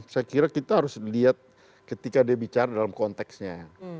saya kira kita harus lihat ketika dia bicara dalam konteksnya